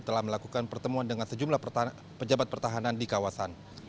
telah melakukan pertemuan dengan sejumlah pejabat pertahanan di kawasan